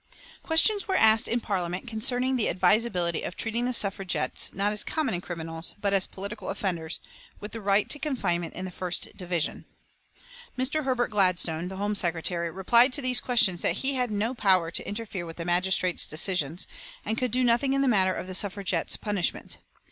Questions were asked in Parliament concerning the advisability of treating the Suffragettes not as common criminals but as political offenders with the right to confinement in the First Division. Mr. Herbert Gladstone, the Home Secretary, replied to these questions that he had no power to interfere with the magistrates' decisions, and could do nothing in the matter of the suffragettes' punishment.